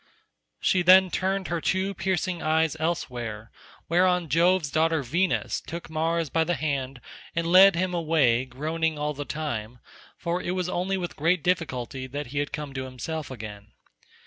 She then turned her two piercing eyes elsewhere, whereon Jove's daughter Venus took Mars by the hand and led him away groaning all the time, for it was only with great difficulty that he had come to himself again.